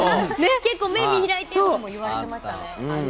結構、目、見開いてとも言われていましたね。